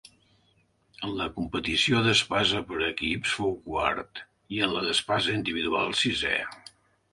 En la competició d'espasa per equips fou quart i en la d'espasa individual sisè.